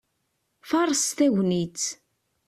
Faṛeṣ tagnitt!